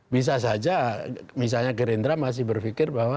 bisa saja misalnya gerindra masih berpikir bahwa